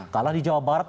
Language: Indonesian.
kalah di jawa barat